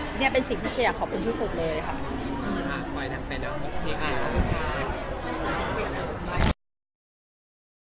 อันนี้เป็นสิ่งที่ฉันอยากขอบคุณที่สุดเลยค่ะ